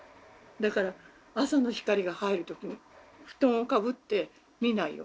だから朝の光が入る時布団をかぶって見ないように。